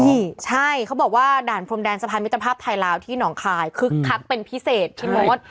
ใช่ใช่เขาบอกว่าด่านพรมแดนสะพานมิตรภาพไทยลาวที่หนองคายคึกคักเป็นพิเศษพี่มด